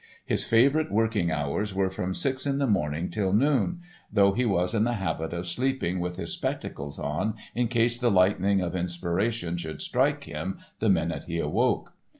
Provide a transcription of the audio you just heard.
His favorite working hours were from six in the morning till noon, though he was in the habit of sleeping with his spectacles on in case the lightning of inspiration should strike him the minute he awoke.